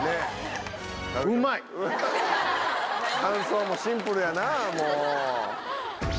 感想もシンプルやなもう。